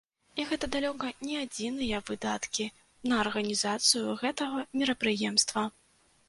І гэта далёка не адзіныя выдаткі на арганізацыю гэтага мерапрыемства.